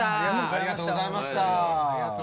ありがとうございます。